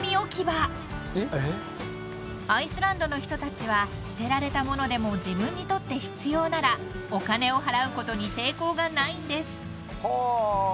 ［アイスランドの人たちは捨てられたものでも自分にとって必要ならお金を払うことに抵抗がないんです］